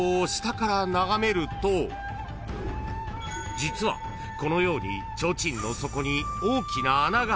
［実はこのように］